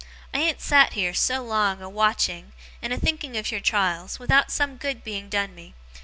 I ain't sat here, so long, a watching, and a thinking of your trials, without some good being done me.